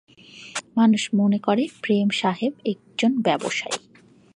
মানুষ মনে করে প্রেম সাহেব একজন ব্যবসায়ী।